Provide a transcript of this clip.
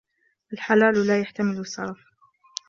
الْحَلَالُ لَا يَحْتَمِلُ السَّرَفَ